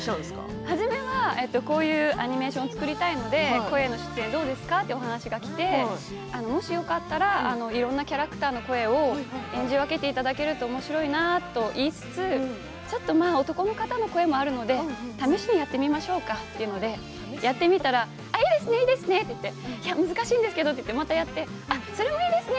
はじめはこういうアニメーションを作りたいので声の出演どうですかとお話がきてもしよかったら、いろんなキャラクターの声を演じ分けていただけるとおもしろいなと言いつつちょっと男の方の声もあるので試しにやってみましょうかというので、やってみたらいいですね、いいですねって難しいんですけどといってまたやってそれもいいですね